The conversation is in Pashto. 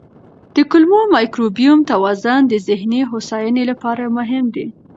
د کولمو مایکروبیوم توازن د ذهني هوساینې لپاره مهم دی.